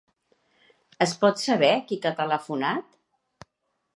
Es pot saber qui t’ha telefonat?